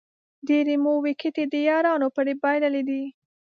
ډېرې مو وېکټې د یارانو پرې بایللې دي